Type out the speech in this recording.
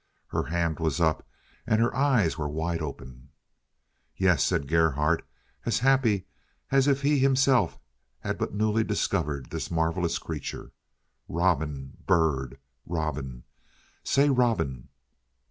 Her hand was up, and her eyes were wide open. "Yes," said Gerhardt, as happy as if he himself had but newly discovered this marvelous creature. "Robin. Bird. Robin. Say robin."